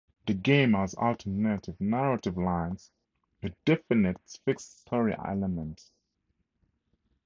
The game has alternative narrative lines, with definite fixed story elements.